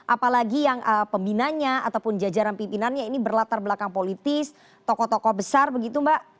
apalagi yang pembinanya ataupun jajaran pimpinannya ini berlatar belakang politis tokoh tokoh besar begitu mbak